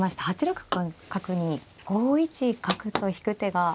８六角に５一角と引く手が。